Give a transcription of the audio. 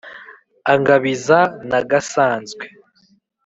Angabiza Nagasanzwe